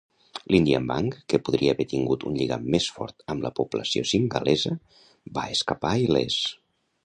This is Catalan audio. L'Indian Bank, que podria haver tingut un lligam més fort amb la població singalesa, va escapar il·lès.